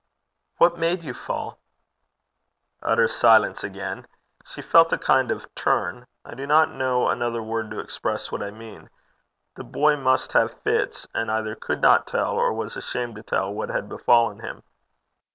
'What made you fall?' Utter silence again. She felt a kind of turn I do not know another word to express what I mean: the boy must have fits, and either could not tell, or was ashamed to tell, what had befallen him.